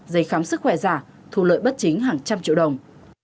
giấy khám sức khỏe giả thu lợi bất chính hàng trăm triệu đồng